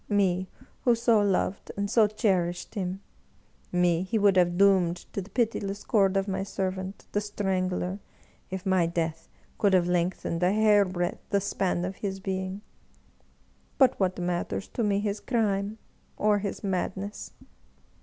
Me, who so loved and so cherished him — ^me he would have doomed to the pitiless cord of my servant, the Strangler, if my death could have lengthened a hairbreadth the span of his being. But what matters to me his crime or his madness